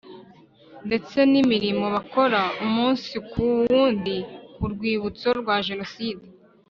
ndetse n imirimo bakora umunsi k uw undi ku rwibutso rwa Jenoside